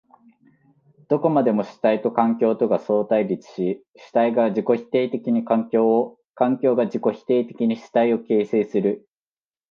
どこまでも主体と環境とが相対立し、主体が自己否定的に環境を、環境が自己否定的に主体を形成する。